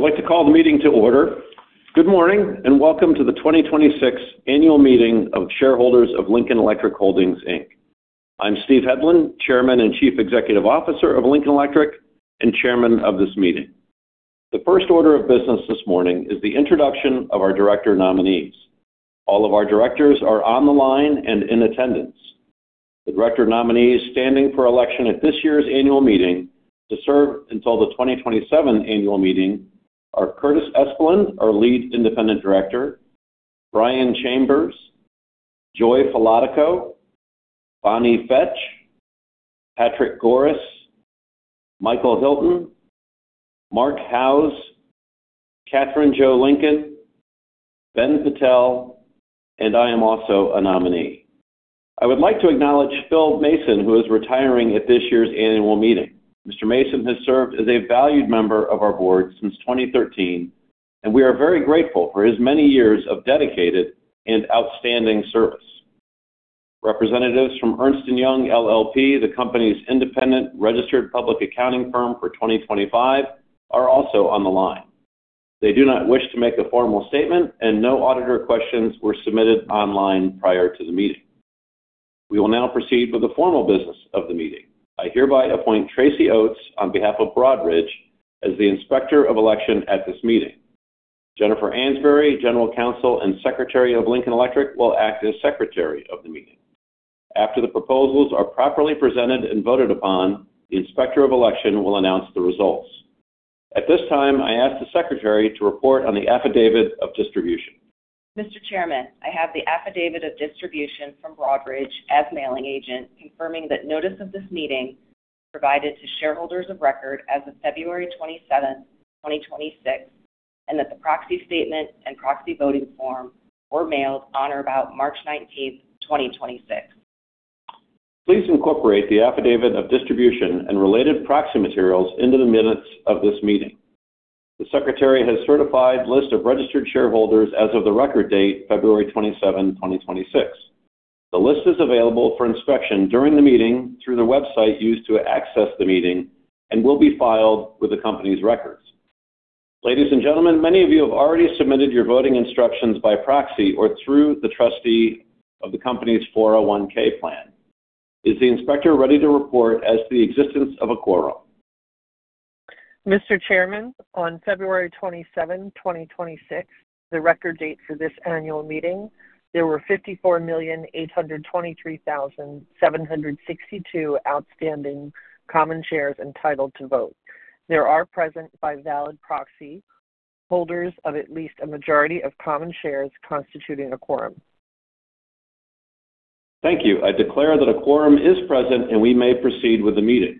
I would like to call the meeting to order. Good morning, and welcome to the 2026 Annual Meeting of Shareholders of Lincoln Electric Holdings, Inc. I'm Steven Hedlund, Chairman and Chief Executive Officer of Lincoln Electric and Chairman of this meeting. The first order of business this morning is the introduction of our director nominees. All of our directors are on the line and in attendance. The director nominees standing for election at this year's annual meeting to serve until the 2027 annual meeting are Curtis Espeland, our Lead Independent Director, Brian Chambers, Joy Falotico, Bonnie Fetch, Patrick Goris, Michael Hilton, Marc Howze, Kathryn Jo Lincoln, Ben Patel, and I am also a nominee. I would like to acknowledge Phillip Mason, who is retiring at this year's annual meeting. Mr. Mason has served as a valued member of our board since 2013, and we are very grateful for his many years of dedicated and outstanding service. Representatives from Ernst & Young LLP, the company's independent registered public accounting firm for 2025, are also on the line. They do not wish to make a formal statement, and no auditor questions were submitted online prior to the meeting. We will now proceed with the formal business of the meeting. I hereby appoint Tracy Oates, on behalf of Broadridge, as the Inspector of Election at this meeting. Jennifer Ansberry, General Counsel and Secretary of Lincoln Electric, will act as Secretary of the meeting. After the proposals are properly presented and voted upon, the Inspector of Election will announce the results. At this time, I ask the Secretary to report on the Affidavit of Distribution. Mr. Chairman, I have the Affidavit of Distribution from Broadridge as mailing agent, confirming that notice of this meeting was provided to shareholders of record as of February 27th, 2026, and that the proxy statement and proxy voting form were mailed on or about March 19th, 2026. Please incorporate the Affidavit of Distribution and related proxy materials into the minutes of this meeting. The Secretary has certified the list of registered shareholders as of the record date, February 27, 2026. The list is available for inspection during the meeting through the website used to access the meeting and will be filed with the company's records. Ladies and gentlemen, many of you have already submitted your voting instructions by proxy or through the trustee of the company's 401(k) plan. Is the inspector ready to report as to the existence of a quorum? Mr. Chairman, on February 27, 2026, the record date for this annual meeting, there were 54,823,762 outstanding common shares entitled to vote. There are present, by valid proxy, holders of at least a majority of the common shares, constituting a quorum. Thank you. I declare that a quorum is present, and we may proceed with the meeting.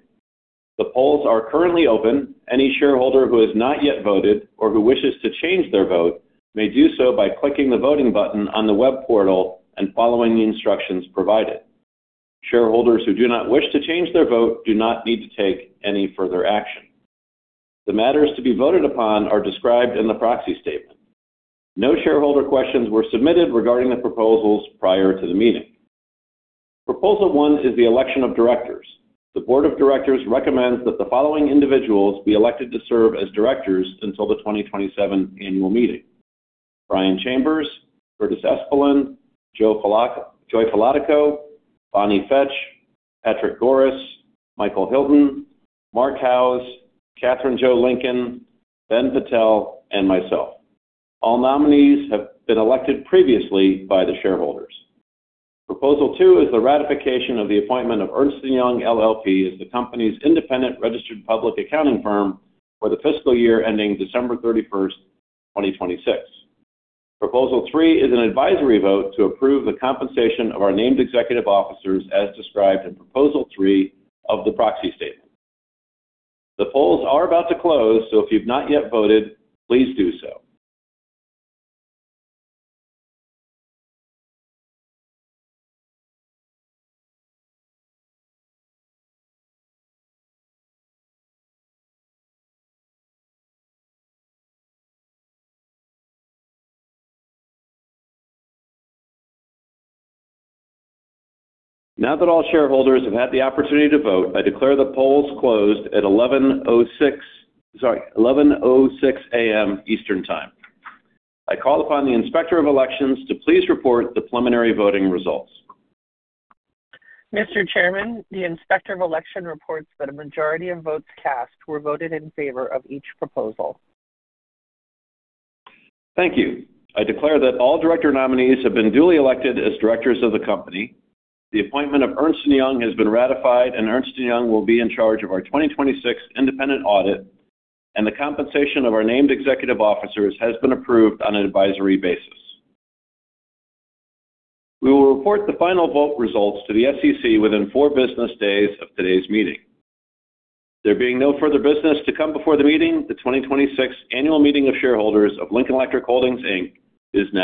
The polls are currently open. Any shareholder who has not yet voted or who wishes to change their vote may do so by clicking the voting button on the web portal and following the instructions provided. Shareholders who do not wish to change their vote do not need to take any further action. The matters to be voted upon are described in the proxy statement. No shareholder questions were submitted regarding the proposals prior to the meeting. Proposal 1 is the election of directors. The Board of Directors recommends that the following individuals be elected to serve as directors until the 2027 annual meeting. Brian Chambers, Curtis Espeland, Joy Falotico, Bonnie Fetch, Patrick Goris, Michael Hilton, Marc Howze, Kathryn Jo Lincoln, Ben Patel, and myself. All nominees have been elected previously by the shareholders. Proposal two is the ratification of the appointment of Ernst & Young LLP as the company's independent registered public accounting firm for the fiscal year ending December 31st, 2026. Proposal three is an advisory vote to approve the compensation of our named executive officers as described in proposal three of the proxy statement. The polls are about to close, so if you've not yet voted, please do so. Now that all shareholders have had the opportunity to vote, I declare the polls closed at 11:06 A.M. Eastern Time. I call upon the Inspector of Elections to please report the preliminary voting results. Mr. Chairman, the Inspector of Election reports that a majority of votes cast were voted in favor of each proposal. Thank you. I declare that all director nominees have been duly elected as directors of the company. The appointment of Ernst & Young has been ratified, and Ernst & Young will be in charge of our 2026 independent audit, and the compensation of our Named Executive Officers has been approved on an advisory basis. We will report the final vote results to the SEC within four business days of today's meeting. There being no further business to come before the meeting, the 2026 Annual Meeting of Shareholders of Lincoln Electric Holdings, Inc is now...